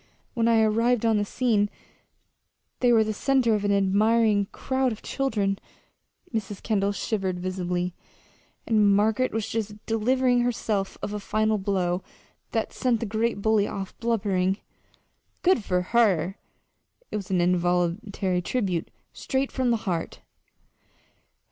When I arrived on the scene they were the center of an admiring crowd of children," Mrs. Kendall shivered visibly "and Margaret was just delivering herself of a final blow that sent the great bully off blubbering." "Good for her!" it was an involuntary tribute, straight from the heart.